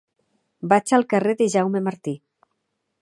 Vaig al carrer de Jaume Martí.